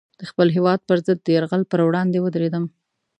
د خپل هېواد پر ضد د یرغل پر وړاندې ودرېدم.